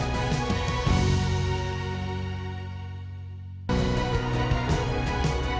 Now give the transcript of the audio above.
nik melhor dimaatkan